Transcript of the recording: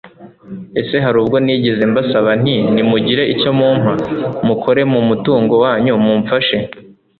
ese hari ubwo nigeze mbasaba nti 'nimugire icyo mumpa, mukore mu mutungo wanyu mumfashe